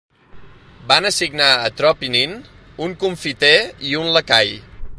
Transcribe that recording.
Van assignar a Tropinin un confiter i un lacai.